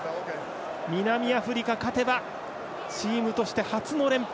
南アフリカ勝てばチームとして初の連覇。